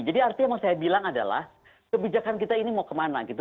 jadi artinya yang mau saya bilang adalah kebijakan kita ini mau kemana gitu